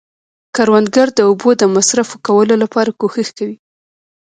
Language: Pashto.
کروندګر د اوبو د مصرف ښه کولو لپاره کوښښ کوي